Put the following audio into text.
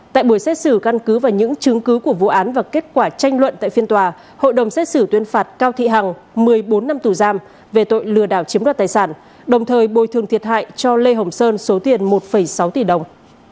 tại buổi xét xử căn cứ vào những chứng cứ của vụ án và kết quả tranh luận tại phiên tòa hội đồng xét xử tuyên phạt cao thị hằng một mươi bốn năm tù giam về tội lừa đảo chiếm đoạt tài sản đồng thời bồi thường thiệt hại cho lê hồng sơn số tiền một sáu tỷ đồng